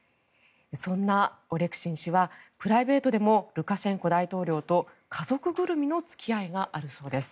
そんなオレクシン氏はプライベートでもルカシェンコ大統領と家族ぐるみの付き合いがあるそうです。